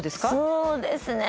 そうですね。